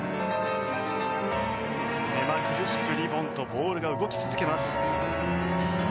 目まぐるしくリボンとボールが動き続けます。